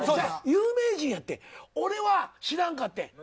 有名人やって俺は知らんかってん。